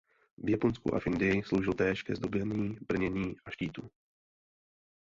V Japonsku a v Indii sloužil též ke zdobení brnění a štítů.